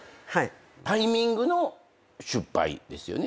タイミングの失敗ですよね。